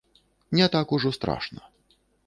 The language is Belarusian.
Не так ужо страшна.